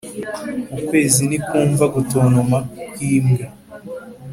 ukwezi ntikwumva gutontoma kw'imbwa.